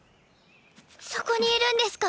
そこにいるんですか